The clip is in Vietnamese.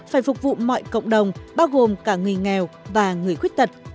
phải phục vụ mọi cộng đồng bao gồm cả người nghèo và người khuyết tật